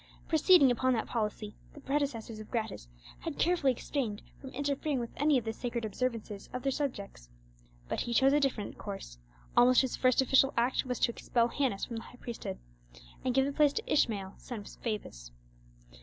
Proceeding upon that policy, the predecessors of Gratus had carefully abstained from interfering with any of the sacred observances of their subjects. But he chose a different course: almost his first official act was to expel Hannas from the high priesthood, and give the place to Ishmael, son of Fabus.